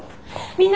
みんな！